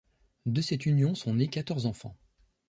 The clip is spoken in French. De cette union sont nés quatorze enfants.